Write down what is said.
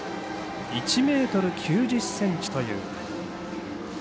１ｍ９０ｃｍという。